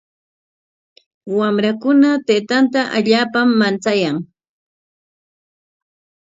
Wamrakuna taytanta allaapam manchayan.